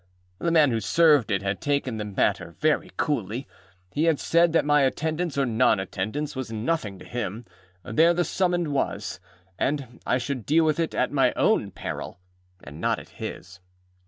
The man who served it had taken the matter very coolly. He had said that my attendance or non attendance was nothing to him; there the summons was; and I should deal with it at my own peril, and not at his.